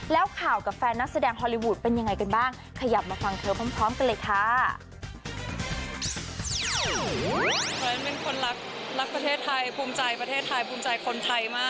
แล้วข่าวกับแฟนนักแสดงฮอลลีวูดเป็นยังไงกันบ้างขยับมาฟังเธอพร้อมกันเลยค่ะ